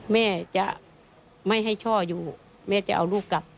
แม่จะไม่ให้ช่ออยู่แม่จะเอาลูกกลับ